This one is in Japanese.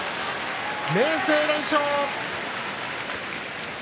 明生、連勝。